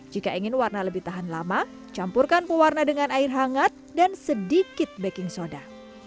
jika ingin warna lebih tahan lama campurkan pewarna dengan air hangat dan sedikit baking soda